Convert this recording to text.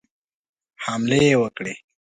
حملې وکړي.